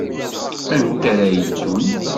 Anta ara yeddun?